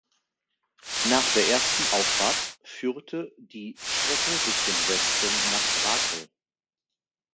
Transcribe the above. Nach der ersten Auffahrt führte die Strecke Richtung Westen nach Brakel.